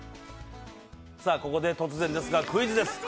ここで突然ですが、クイズです。